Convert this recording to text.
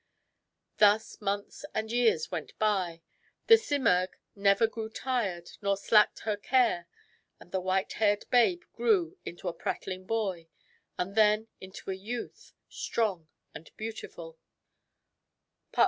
Thus months and years went by. The Simurgh never grew tired nor slacked her care. And the white haired babe grew into a prattling boy, and then into a youth, strong and beautiful.